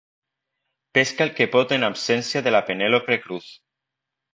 Pesca el que pot en absència de la Penèlope Cruz.